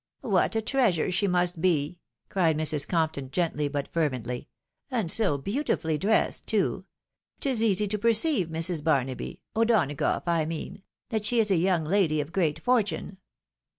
"What a treasure she must be!" cried Mrs. Compton, gently but fervently ;" and so beautifully dressed too ! It is easy to perceive, Mrs. Barnaby — O'Donagough I mean — that she is a young lady of great fortune."